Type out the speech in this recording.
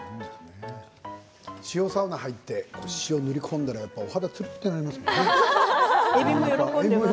塩サウナに入って塩を塗り込んだらつるっとしますよね。